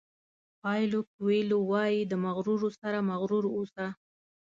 پایلو کویلو وایي د مغرورو سره مغرور اوسه.